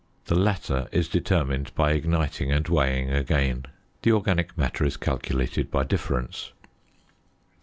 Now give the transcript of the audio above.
The latter is determined by igniting and weighing again. The organic matter is calculated by difference.